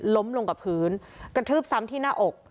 ล้มลงกับพื้นกระทืบซ้ำที่หน้าอก